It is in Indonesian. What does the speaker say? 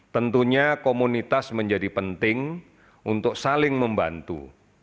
tentunya komunitas menjadi penting untuk saling membantu